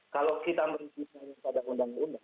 kalau kita berbicara pada undang undang